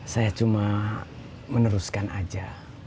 saya cuma meneruskan aja